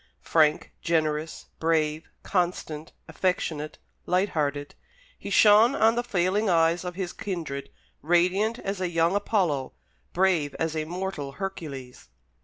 Frank, generous, brave, constant, affectionate, light hearted, he shone on the failing eyes of his kindred radiant as a young Apollo, brave as a mortal Hercules.